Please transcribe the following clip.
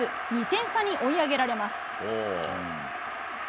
２点差に追い上げられます。